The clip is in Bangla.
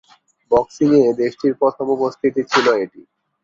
বক্সিং এ দেশটির প্রথম উপস্থিতি ছিল এটি।